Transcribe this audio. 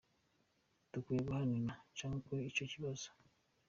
"Dukwiye guharira cane kuri ico kibazo.